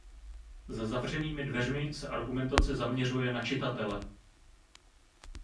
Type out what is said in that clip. Za zavřenými dveřmi se argumentace zaměřuje na čitatele.